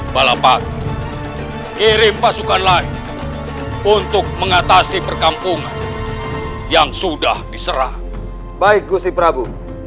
balapan kirim pasukan lain untuk mengatasi perkampungan yang sudah diserah baik gusti prabu